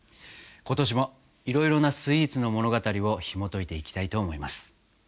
今年もいろいろなスイーツの物語をひもといていきたいと思います。